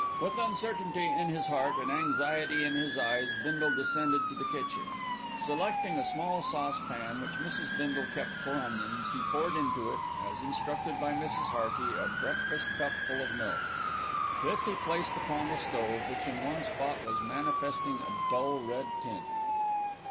With uncertainty in his heart and anxiety in his eyes, Bindle descended to the kitchen. Selecting a small saucepan, which Mrs. Bindle kept for onions, he poured into it, as instructed by Mrs. Hearty, a breakfast cupful of milk. This he placed upon the stove, which in one spot was manifesting a dull red tint.